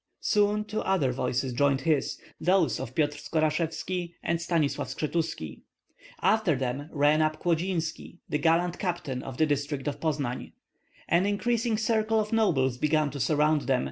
Soon two other voices joined his, those of Pyotr Skorashevski and Stanislav Shshetuski. After them ran up Klodzinski, the gallant captain of the district of Pozpan. An increasing circle of nobles began to surround them.